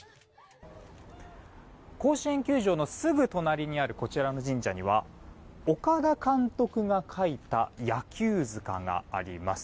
甲子園球場のすぐ隣にあるこちらの神社には岡田監督が書いた野球塚があります。